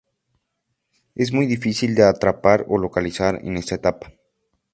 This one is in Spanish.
Es muy difícil de atrapar o localizar en esta etapa.